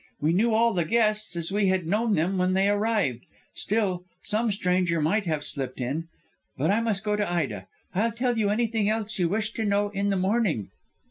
We knew all the guests, as we had known them when they arrived; still, some stranger might have slipped in. But I must go to Ida. I'll tell you anything else you wish to know in the morning."